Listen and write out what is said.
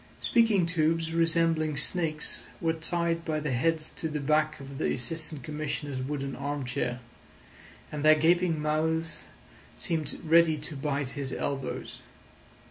Speaking tubes resembling snakes were tied by the heads to the back of the Assistant Commissioner's wooden arm chair, and their gaping mouths seemed ready to bite his elbows.